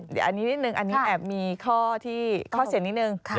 เดี๋ยวอันนี้นิดนึงอันนี้แอบมีข้อเสี่ยงนิดนึง